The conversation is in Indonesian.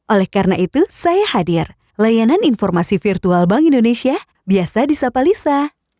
oleh karena itu saya hadir layanan informasi virtual bank indonesia biasa disapa lisa